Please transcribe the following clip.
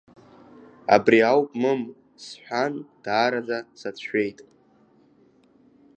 Абри ауп Мым, — сҳәан, даараӡа сацәшәеит.